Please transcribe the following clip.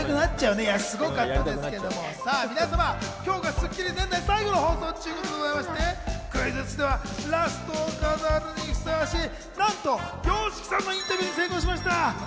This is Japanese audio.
さぁ、皆様、今日が『スッキリ』年内最後の放送ということで、クイズッスではラストを飾るにふさわしい、なんとＹＯＳＨＩＫＩさんのインタビューに成功しました。